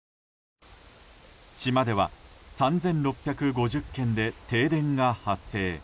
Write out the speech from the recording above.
島では３６５０軒で停電が発生。